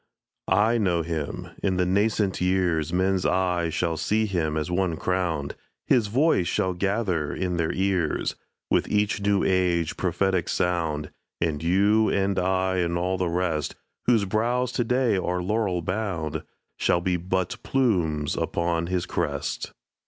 I know him. In the nascent years Men's eyes shall see him as one crowned; His voice shall gather in their ears With each new age prophetic sound; And you and I and all the rest, Whose brows to day are laurel bound, Shall be but plumes upon his crest.